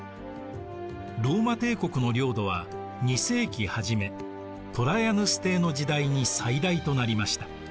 ローマ帝国の領土は２世紀はじめトラヤヌス帝の時代に最大となりました。